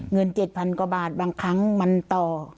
๗๐๐กว่าบาทบางครั้งมันต่อ